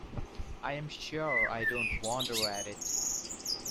I am sure I don't wonder at it!